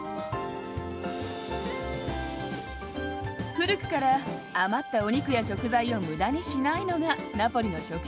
古くから余ったお肉や食材を無駄にしないのがナポリの食習慣。